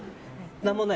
何もない？